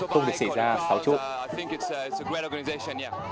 không được xảy ra sáu chục